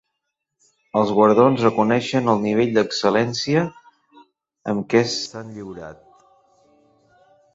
Els guardons reconeixen el nivell d'excel·lència amb què s'han lliurat.